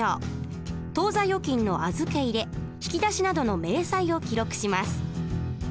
当座預金の預け入れ引き出しなどの明細を記録します。